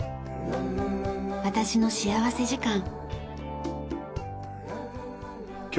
『私の幸福時間』。